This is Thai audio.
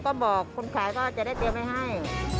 ก็บอกคนขายก็จะได้เตรียมไว้ให้